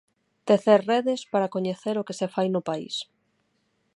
Tecer redes para coñecer o que se fai no País.